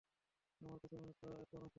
আমার কাছেও এমন একটা এপ্রোন আছে।